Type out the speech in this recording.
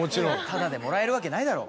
タダでもらえるわけないだろ。